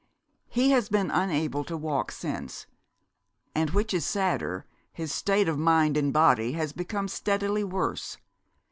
"He has been unable to walk since. And, which is sadder, his state of mind and body has become steadily worse.